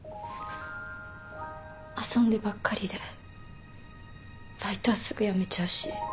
遊んでばっかりでバイトはすぐ辞めちゃうし。